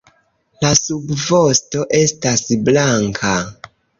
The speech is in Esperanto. La subvosto estas blanka.